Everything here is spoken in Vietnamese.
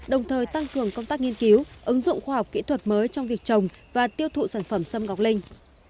đồng thời tăng cường công tác nghiên cứu ứng dụng khoa học kỹ thuật mới trong việc trồng và tiêu thụ sản phẩm xâm ngọc linh